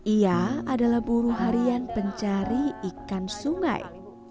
ia adalah buruh harian pencari ikan sungai